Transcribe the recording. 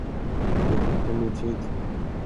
Jag har kommit hit